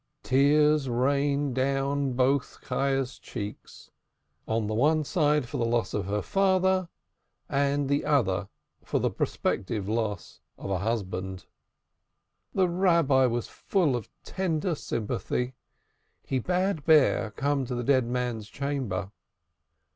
Tears rained down both Chayah's cheeks, on the one side for the loss of her father, on the other for the prospective loss of a husband. The Rabbi was full of tender sympathy. He bade Bear come to the dead man's chamber.